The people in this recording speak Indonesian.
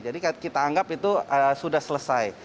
jadi kita anggap itu sudah selesai